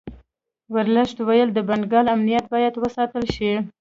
ورلسټ ویل د بنګال امنیت باید وساتل شي.